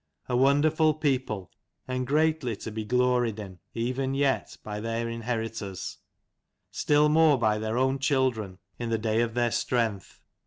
A wonderful people, and greatly to be gloried in, even yet, by their inheritors ; still more by their own children in the day of their 179 strength.